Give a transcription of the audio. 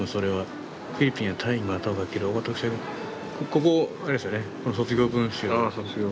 ここあれですよね卒業文集の引用が。